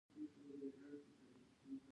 درېیم نوښت دا و دوج باید سوګند یاد کړی وای.